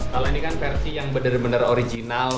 kalau ini kan versi yang benar benar original